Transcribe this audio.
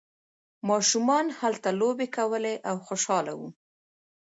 ماشومان هلته لوبې کولې او خوشحاله وو.